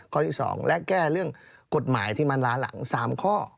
ข้อที่๒และแก้เรื่องกฎหมายที่มันล้าหลัง๓ข้อ